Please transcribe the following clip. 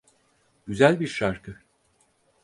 Güzel bir şarkı.